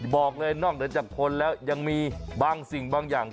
บอกเลยนอกเหนือจากคนแล้วยังมีบางสิ่งบางอย่าง